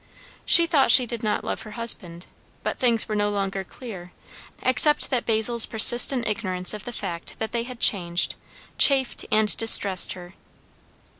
She thought she did not love her husband, but things were no longer clear; except that Basil's persistent ignorance of the fact that they had changed, chafed and distressed her.